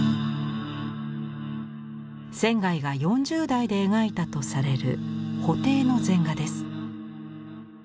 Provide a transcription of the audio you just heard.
仙が４０代で描いたとされる布袋の禅画です。